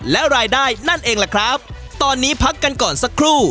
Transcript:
และรายได้นั่นเองล่ะครับตอนนี้พักกันก่อนสักครู่